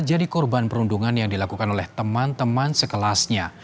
jadi korban perundungan yang dilakukan oleh teman teman sekelasnya